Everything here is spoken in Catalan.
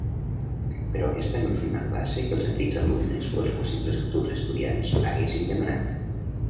Però aquesta no és una classe que els antics alumnes o els possibles futurs estudiants haguessin demanat.